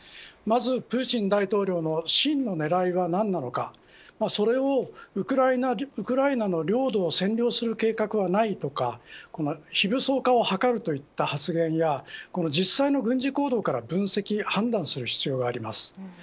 まず、プーチン大統領の真の狙いは何なのかそれをウクライナの領土を占領する計画はない、とか非武装化を図るといった発言や実際の軍事行動から分析、判断する必要があります。